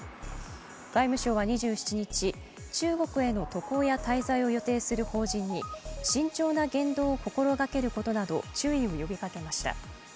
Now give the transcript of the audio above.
外務省は２７日、中国への渡航や滞在を予定する邦人に慎重な言動を心がけることなど、注意を呼びかけました。